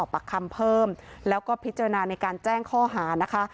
ปักคำเพิ่มแล้วก็พิจารณาในการแจ้งข้อหานะคะ